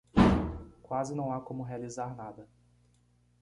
Quase não há como realizar nada